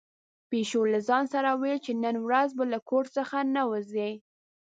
پيشو له ځان سره ویل چې نن ورځ به له کور څخه نه وځي.